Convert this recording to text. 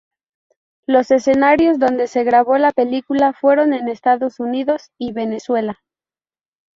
Los escenarios donde se grabó la película fueron en Estados Unidos y Venezuela.